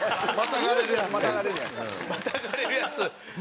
またがれるやつね。